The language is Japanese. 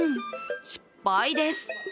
失敗です。